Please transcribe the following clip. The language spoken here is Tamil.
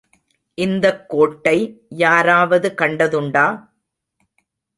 இந்தக் கோட்டை யாராவது கண்ட துண்டா?